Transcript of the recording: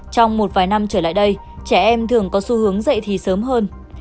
trong một vài năm trở lại đây trẻ em thường có xu hướng dạy thì sớm hơn